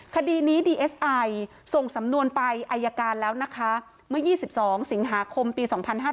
คดีนี้ดีเอสไอส่งสำนวนไปอายการแล้วนะคะเมื่อ๒๒สิงหาคมปี๒๕๕๙